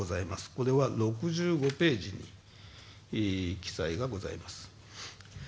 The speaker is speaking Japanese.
これは６５ページに記載がございます。